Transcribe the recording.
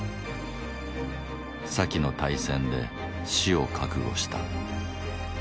先の大戦で死を覚悟した。